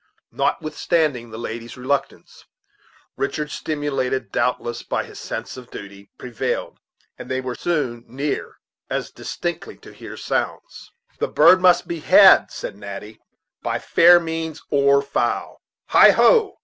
Notwithstanding the lady's reluctance, Richard, stimulated doubtless by his sense of duty, prevailed; and they were soon so near as distinctly to hear sounds. "The bird must be had," said Natty, "by fair means or foul. Heigho!